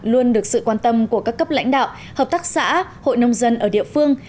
luôn được sự quan tâm của các cấp lãnh đạo hợp tác xã hội nông dân ở địa phương